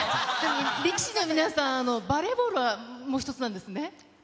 力士の皆さん、バレーボールはもう一つなんですね。